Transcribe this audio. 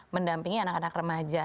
mendampingi anak anak remaja